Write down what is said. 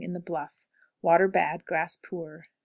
In the bluff. Water bad; grass poor.